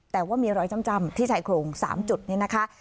แต่ว่ามีรอยจ้ำที่ชายโครง๓จุดนี้นะคะ